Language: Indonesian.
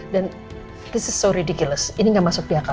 dan ini sangat mengarut ini nggak masuk di akal